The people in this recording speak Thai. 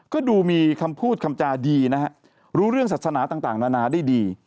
ก็ดูมีคำพูดคำจาดีนะฮะรู้เรื่องศาสนาต่างนานาได้ดี